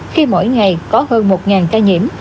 khi mỗi ngày có hơn một ca nhiễm